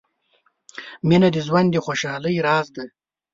• مینه د ژوند د خوشحالۍ راز دی.